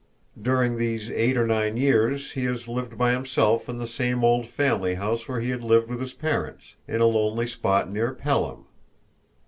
During these eight or nine years he has lived by himself in the same old family house where he had lived with his parents, in a lonely spot near Pelham.